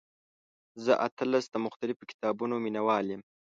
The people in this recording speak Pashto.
زه اتلس د مختلفو کتابونو مینوال یم.